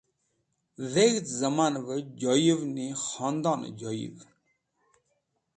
Dheg̃hd Zemanev Joyuvni Khondone Joyuvn